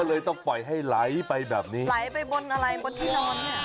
เลยต้องปล่อยให้ไหลไปแบบนี้ไหลไปบนอะไรบนที่นอนเนี่ย